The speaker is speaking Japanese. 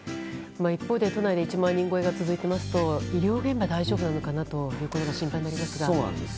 一方で都内で１万人超えが続きますと医療現場は大丈夫なのかなと心配になりますが。